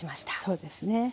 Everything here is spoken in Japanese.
そうですね。